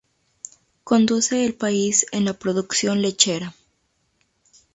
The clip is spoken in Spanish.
Conduce el país en la production lechera.